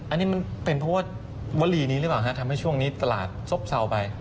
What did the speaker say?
อันนี้มันเป็นเพราะว่าวลีนี้หรือเปล่าฮะทำให้ช่วงนี้ตลาดซบเศร้าไป